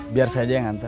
biar saja yang hantar